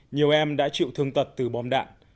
nhiều em đã chịu thương tật từ bom đạn